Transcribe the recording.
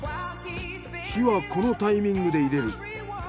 火はこのタイミングで入れる。